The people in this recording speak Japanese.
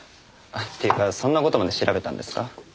っていうかそんな事まで調べたんですか？